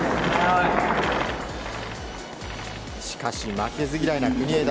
しかし負けず嫌いな国枝。